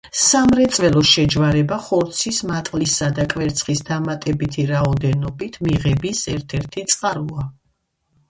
სამრეწველო შეჯვარება ხორცის, მატყლისა და კვერცხის დამატებითი რაოდენობით მიღების ერთ-ერთი წყაროა.